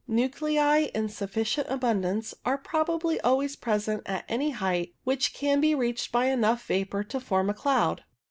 Nuclei in sufficient abundance are probably always present at any height which can be reached by enough vapour to form a cloud.